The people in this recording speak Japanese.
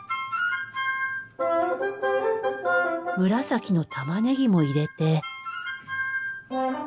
紫のたまねぎも入れて。